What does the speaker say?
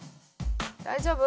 大丈夫？